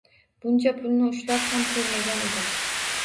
Buncha pulni ushlab ham ko‘rmagan edim.